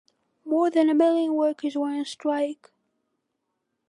More than a million workers were on strike.